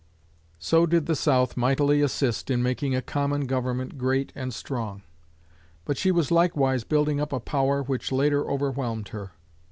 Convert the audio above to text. So did the South mightily assist in making a common government great and strong; but she was likewise building up a power which later overwhelmed her.